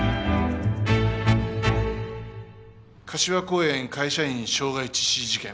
「柏公園会社員傷害致死事件」。